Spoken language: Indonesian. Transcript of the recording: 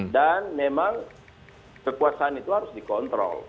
memang kekuasaan itu harus dikontrol